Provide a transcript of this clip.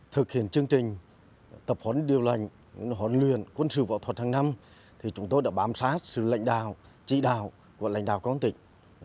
thực hiện chương trình tập huấn điều lệnh huấn luyện quân sự võ thuật hàng năm thì chúng tôi đã bám sát sự lãnh đạo chỉ đạo của lãnh đạo công an tỉnh